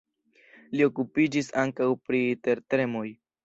Li okupiĝis ankaŭ pri tertremoj.